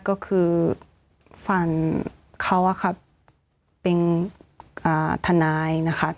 ก็คือฝันเขาครับเป็นธนิต